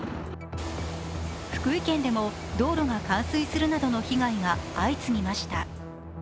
福井県でも、道路が冠水するなどの被害が相次ぎました。